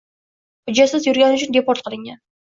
hujjatsiz yurgani uchun deport qilingan